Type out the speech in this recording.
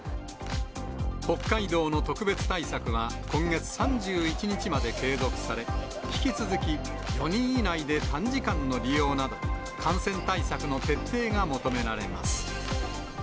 北海道の特別対策は今月３１日まで継続され、引き続き４人以内で短時間の利用など、感染対策の徹底が求められます。